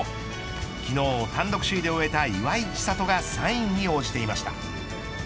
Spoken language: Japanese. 昨日を単独首位で終えた岩井千怜がサインに応じていました。